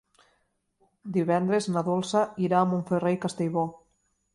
Divendres na Dolça irà a Montferrer i Castellbò.